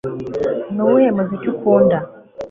Nuwuhe muziki ukunda